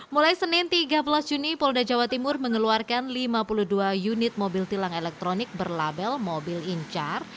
mulai senin tiga belas juni polda jawa timur mengeluarkan lima puluh dua unit mobil tilang elektronik berlabel mobil incar